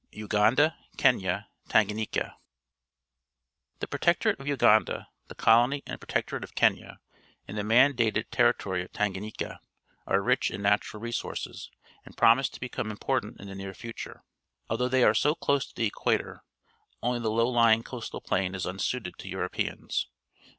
. 1r UGANDA, KENYA, TANGANYIKA The Protectorate of Uganda, the Colony and Protectorate of Kenya, and the man dated territory of Tanganyika are rich in natural resources and promise to become important in the near future. Al though they are so close to the equator, WEST AFRICA 233 only the low Mng coastal plain is unsuited to Europeans.